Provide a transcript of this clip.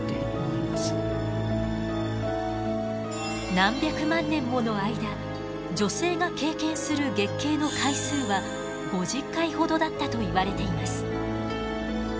何百万年もの間女性が経験する月経の回数は５０回ほどだったといわれています。